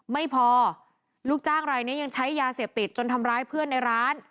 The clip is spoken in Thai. ไม่พอลูกจ้างรายนี้ยังใช้ยาเสพติดจนทำร้ายเพื่อนในร้าน